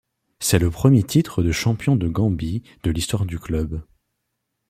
C'est le premier titre de champion de Gambie de l'histoire du club.